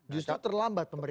justru terlambat pemerintah